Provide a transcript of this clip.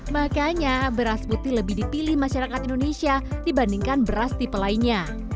makanya beras putih lebih dipilih masyarakat indonesia dibandingkan beras tipe lainnya